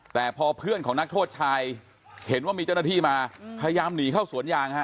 แต่พอเพื่อนของนักโทษชายเห็นว่ามีเจ้าหน้าที่มาพยายามหนีเข้าสวนยางฮะ